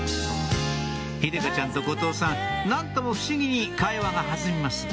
秀香ちゃんと後藤さん何とも不思議に会話が弾みます